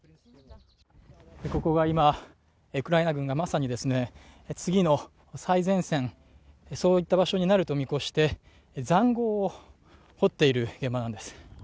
ここが今、ウクライナ軍がまさに、次の最前線そういった場所になると見越して塹壕を掘っている現場なんです。